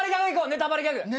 『ネタパレ』ギャグ？